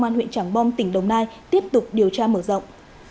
công an huyện trảng bom tỉnh đồng nai tiếp tục điều tra mở rộng